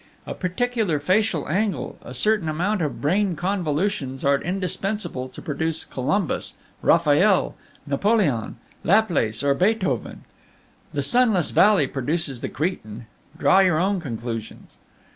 A particular facial angle, a certain amount of brain convolutions, are indispensable to produce Columbus, Raphael, Napoleon, Laplace, or Beethoven; the sunless valley produces the cretin draw your own conclusions.